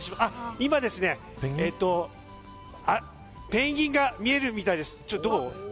今、ペンギンが見えるみたいです。